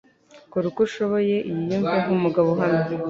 Kora uko ushoboye yiyumve nk'umugabo uhamye